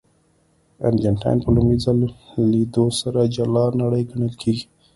ارجنټاین په لومړي ځل لیدو سره جلا نړۍ ګڼل کېږي.